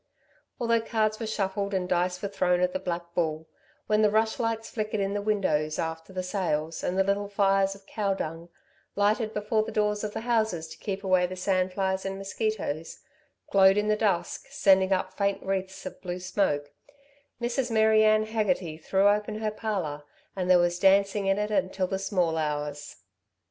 Although cards were shuffled and dice were thrown at the Black Bull, when the rush lights flickered in the windows after the sales, and the little fires of cow dung lighted before the doors of the houses to keep away the sandflies and mosquitoes glowed in the dusk, sending up faint wreaths of blue smoke, Mrs. Mary Ann Hegarty threw open her parlour, and there was dancing in it until the small hours.